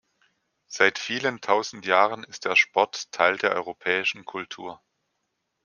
Seit vielen tausend Jahren ist der Sport Teil der europäischen Kultur.